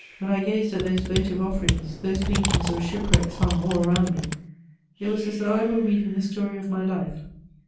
When I gazed at those votive offerings, those paintings of ship wrecks hung all around me, it was as though I were reading the story of my life.